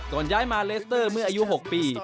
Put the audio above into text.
ย้ายมาเลสเตอร์เมื่ออายุ๖ปี